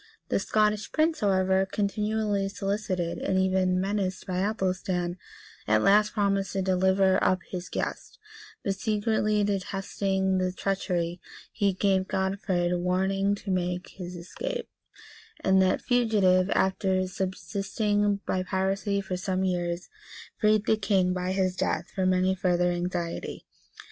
The Scottish prince, however, continually solicited, and even menaced by Athelstan, at last promised to deliver up his guest; but secretly detesting this treachery, he gave Godfrid warning to make his escape;[*] and that fugitive, after subsisting by piracy for some years, freed the king, by his death, from any further anxiety.